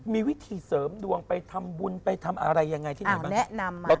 มีวิธีเสริมดวงไปทำบุญไปทำอะไรอีกยังไงที่ไหนบ้าง